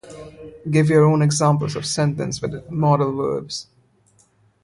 Give your own examples of sentences with modal verbs.